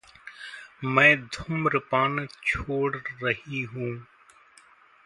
मैं धुम्रपान छोड़ रही हूं।